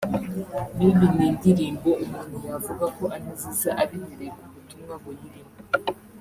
Bibi ni indirimbo umuntu yavuga ko ari nziza abihereye ku butumwa buyirimo